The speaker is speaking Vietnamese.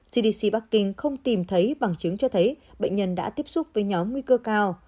cdc bắc kinh không tìm thấy bằng chứng cho thấy bệnh nhân đã tiếp xúc với nhóm nguy cơ cao